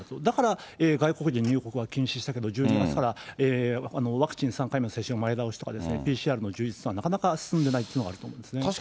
だから外国人入国は禁止したけど、１２月からワクチン３回目の接種の前倒しとか、ＰＣＲの充実がなかなか進んでないというのがありますね。